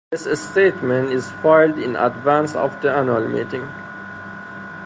This statement is filed in advance of the annual meeting.